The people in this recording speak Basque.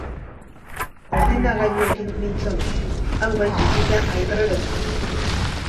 Ordenagailuekin mintzo naiz, hau bai bizitza aldrebesa!